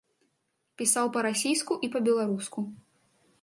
Пісаў па-расійску і па-беларуску.